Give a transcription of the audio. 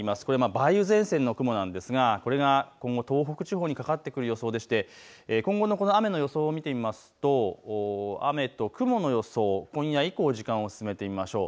梅雨前線の雲なんですがこれが今後、東北地方にかかってくる予想でして今後の雨の予想を見てみますと雨と雲の予想、今夜以降、時間を進めてみましょう。